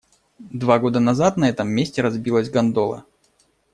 Два года назад на этом месте разбилась гондола.